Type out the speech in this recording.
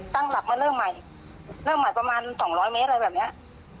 ตั้งหลักมาเริ่มใหม่เริ่มใหม่ประมาณสองร้อยเมตรอะไรแบบเนี้ย